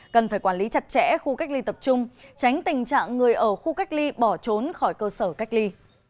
cần phải quản lý chặt chẽ khu cách ly tập trung tránh tình trạng người ở khu cách ly bỏ trốn khỏi cơ sở cách ly